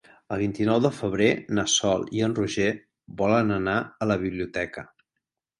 El vint-i-nou de febrer na Sol i en Roger volen anar a la biblioteca.